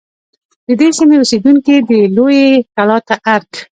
د دې سیمې اوسیدونکي دی لویې کلا ته ارگ